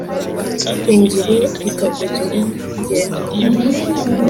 Ingiro ikakugira ngenga